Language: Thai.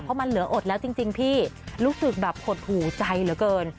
เพราะมันเหลืออดแล้วจริงพี่รู้สึกแบบหดหูใจเหลือเกิน